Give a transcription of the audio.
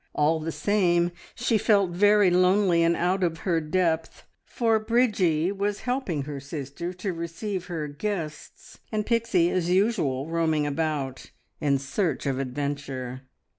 All the same she felt very lonely and out of her depth, for Bridgie was helping her sister to receive her guests, and Pixie as usual roaming about in search of adventure.